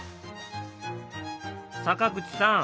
坂口さん